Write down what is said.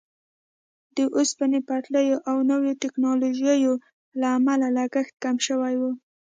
د اوسپنې پټلیو او نویو ټیکنالوژیو له امله لګښت کم شوی وو.